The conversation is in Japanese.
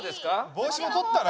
帽子も取ったら？